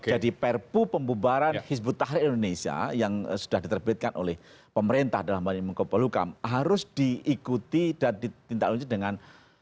jadi perpu pembubaran hizbut tahrir indonesia yang sudah diterbitkan oleh pemerintah dalam mnk polhuka harus diikuti dan ditindaklanjuti dengan